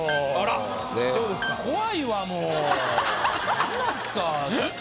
何なんすか。